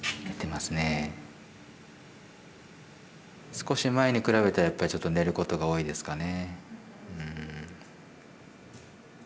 少し前に比べたらやっぱりちょっと寝ることが多いですかね。